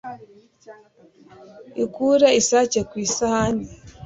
Ikure isake ku isahani